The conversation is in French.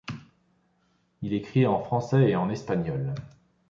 Il écrit en français et en espagnol.